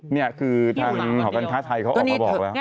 นี่คือทางหอการค้าไทยเขาออกมาบอกแล้ว